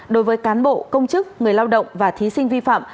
đối với cán bộ công chức người lao động và thí sinh vi phạm